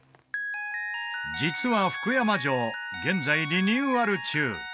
実は福山城現在リニューアル中